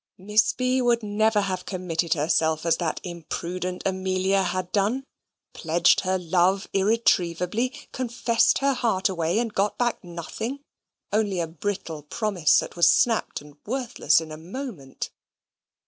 Miss B. would never have committed herself as that imprudent Amelia had done; pledged her love irretrievably; confessed her heart away, and got back nothing only a brittle promise which was snapt and worthless in a moment.